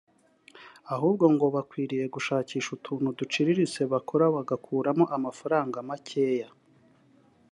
ahubwo ngo bakwiriye gushakisha utuntu duciriritse bakora bagakuramo amafaranga makeya